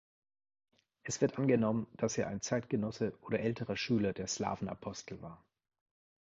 Es wird angenommen, dass er ein Zeitgenosse oder älterer Schüler der Slawenapostel war.